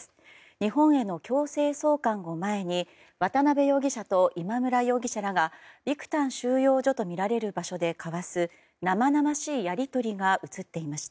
日本への強制送還を前に渡邉容疑者と今村容疑者らがビクタン収容所とみられる場所で交わす生々しいやり取りが映っていました。